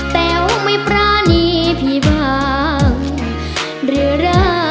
แต่ว่าไม่ประณีพี่บ้างเรื่อย